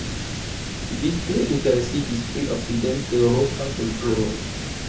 Li tre interesiĝis pri okcident-eŭropa kulturo.